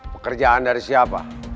pekerjaan dari siapa